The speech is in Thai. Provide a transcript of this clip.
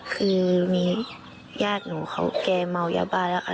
คือมีญาติหนูเขาแกเมายาบ้าแล้วค่ะ